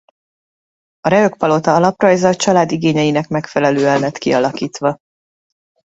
A Reök-palota alaprajza a család igényeinek megfelelően lett kialakítva.